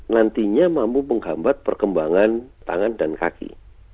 nantinya mampu menghambat perkembangan tangan dan kaki